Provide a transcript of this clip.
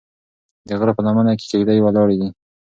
د غره په لمنه کې کيږدۍ ولاړې دي.